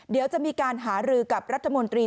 เดี๋ยวจะมีการหารือกับรัฐมนตรี